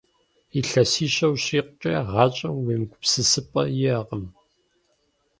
Илъэсищэ ущрикъукӀэ, гъащӀэм уемыгупсысыпӀэ иӀэкъым.